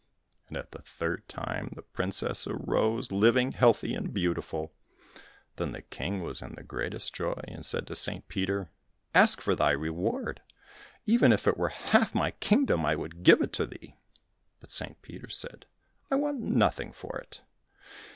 And at the third time, the princess arose, living, healthy and beautiful. Then the King was in the greatest joy, and said to St. Peter, "Ask for thy reward; even if it were half my kingdom, I would give it thee." But St. Peter said, "I want nothing for it."